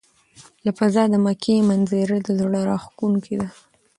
له فضا د مکې منظره د زړه راښکونکې ده.